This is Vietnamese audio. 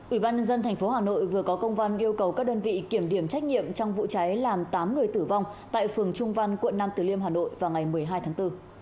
ủy ban nhân dân tp hà nội vừa có công văn yêu cầu các đơn vị kiểm điểm trách nhiệm trong vụ cháy làm tám người tử vong tại phường trung văn quận nam tử liêm hà nội vào ngày một mươi hai tháng bốn